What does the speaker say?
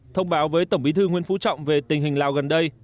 thông báo với tổng bí thư nguyễn phú trọng về tình hình lào gần đây